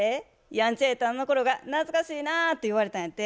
ヤンチャやったあのころが懐かしいな」って言われたんやて。